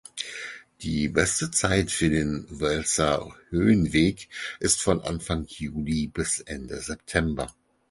Die beste Zeit für den Welser Höhenweg ist von Anfang Juli bis Ende September.